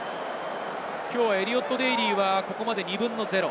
きょうはエリオット・デイリーはここまで２分のゼロ。